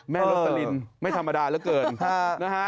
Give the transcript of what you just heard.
แม่รสลินไม่ธรรมดาเหลือเกิน